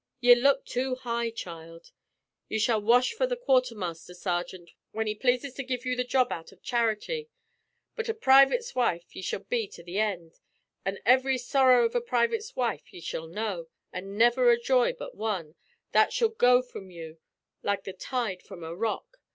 Ye look too high, child. Ye shall wash for the quarthermaster sergint, whin he pl'ases to give you the job out av charity; but a privit's wife ye shall be to the end, an' ivry sorrow of a privit's wife ye shall know, an' niver a joy but wan, that shall go from you like the tide from a rock.